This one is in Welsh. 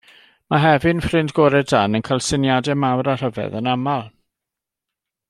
Mae Hefin, ffrind gorau Dan, yn cael syniadau mawr a rhyfedd yn aml.